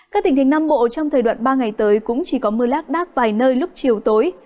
các tỉnh thịnh nam bộ trong thời đoạn ba ngày tới cũng chỉ có mưa lát đát vài nơi lúc chiều tối